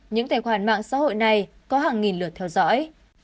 những tài khoản mạng xã hội này có hàng nghìn lượt theo dõi